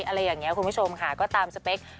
อะไรอย่างเงี้ยคุณผู้ชมถามสเปค